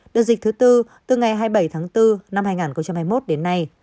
đợt dịch thứ tư từ ngày hai mươi bảy tháng bốn năm hai nghìn hai mươi một đến nay